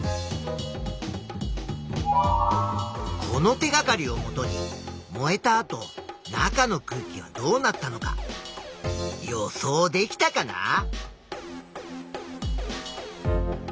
この手がかりをもとに燃えた後中の空気はどうなったのか予想できたかな？